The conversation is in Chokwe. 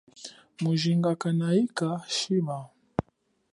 Mujinga kanahika shima.